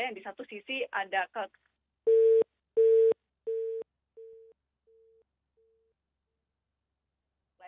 yang di satu sisi ada ke